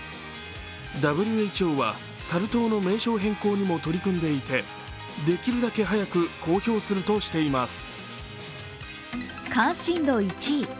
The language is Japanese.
ＷＨＯは、サル痘の名称変更にも取り組んでいてできるだけ早く公表するとしています。